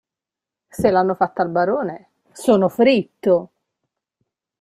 Se l'hanno fatta al barone, sono fritto!